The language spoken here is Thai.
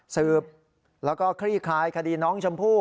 สืบแล้วก็คลี่คลายคดีน้องชมพู่